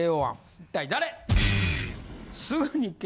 一体誰？